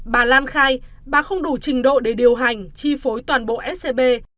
bà lan khai bà không đủ trình độ để điều hành chi phối toàn bộ scb